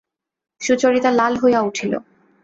সুচরিতা লাল হইয়া উঠিল।